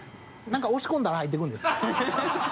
何か押し込んだら入っていくんです。